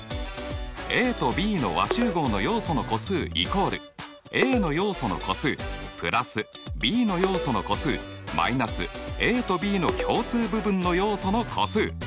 ＡとＢの和集合の要素の個数イコールＡの要素の個数＋Ｂの要素の個数−ＡとＢの共通部分の要素の個数。